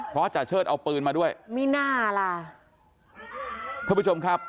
เพราะจาเชิดเอาปืนมาด้วยมีหน้าล่ะท่านผู้ชมครับ